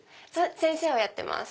先生をやってます。